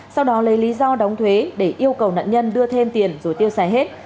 sau đó lấy lý do đóng thuế để yêu cầu nạn nhân đưa thêm tiền rồi tiêu xài hết